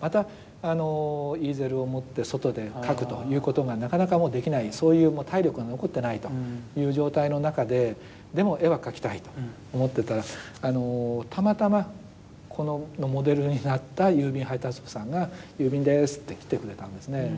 またイーゼルを持って外で描くということがなかなかもうできないそういうもう体力が残ってないという状態の中ででも絵は描きたいと思ってたらたまたまこのモデルになった郵便配達夫さんが「郵便です」って来てくれたんですね。